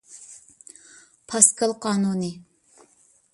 پاسكال قانۇنى